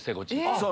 そう。